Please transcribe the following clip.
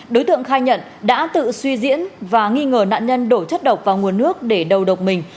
đối tượng khai nhận đã tự suy diễn và nghi ngờ nạn nhân đổ chất độc vào nguồn nước để đầu độc mình